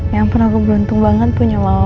ya ampun aku beruntung banget punya mama